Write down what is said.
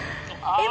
えっ！